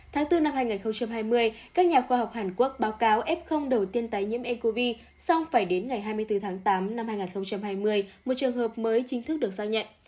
tháng bốn năm hai nghìn hai mươi các nhà khoa học hàn quốc báo cáo f đầu tiên tái nhiễm ncov xong phải đến ngày hai mươi bốn tháng tám năm hai nghìn hai mươi một trường hợp mới chính thức được giao nhận